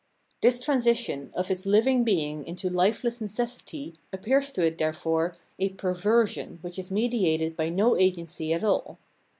This transition of its living being into hfeless necessity appears to it therefore a perversion which is mediated by no agency at all.